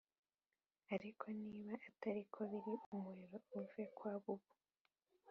Ariko niba atari ko biri umuriro uve kwa bubu